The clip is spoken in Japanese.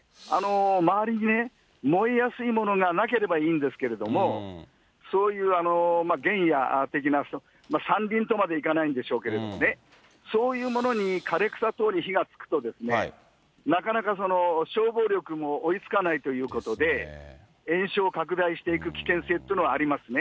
周りにね、燃えやすいものがなければいいんですけれども、そういう原野的な、山林とまではいかないんでしょうですけれどもね、そういうものに、枯れ草等に火がつくとですね、なかなかその、消防力も追いつかないということで、延焼拡大していく危険性っていうのはありますね。